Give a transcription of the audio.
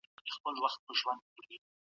د لور ګرانښت مهم دی